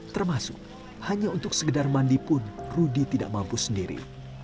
termasuk hanya untuk segedar mandi pun rudy tidak mampu sendiri